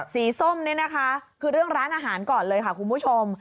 ส้มนี่นะคะคือเรื่องร้านอาหารก่อนเลยค่ะคุณผู้ชม